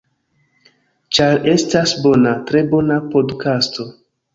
Ĉar estas bona, tre bona podkasto.